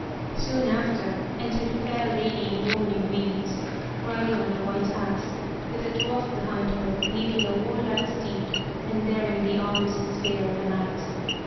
Soon after, entered a fair lady in mourning weeds, riding on a white ass, with a dwarf behind her leading a warlike steed and bearing the arms and spear of a knight.